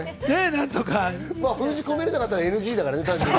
封じ込められなかったらＮＧだからね、単純に。